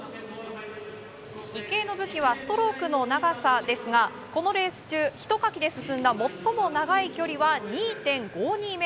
池江の武器ストロークの長さですがこのレース中ひとかきで進んだ最も長い距離は２．５２ｍ。